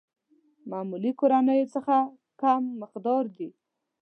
معمولي کورنيو څخه کم مقدار دي.